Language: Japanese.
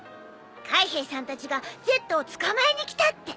海兵さんたちがＺを捕まえに来たって。